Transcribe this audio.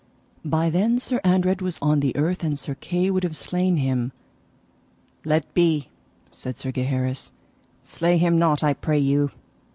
By then Sir Andred was on the earth, and Sir Kay would have slain him. Let be, said Sir Gaheris, slay him not I pray you.